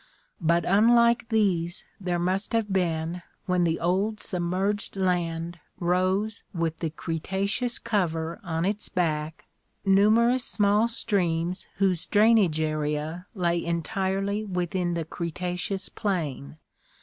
But unlike these, there must have been, when the old submerged land rose with the Cretaceous cover on its back, numerous small streams whose drainage area lay entirely within the Cretaceous plain.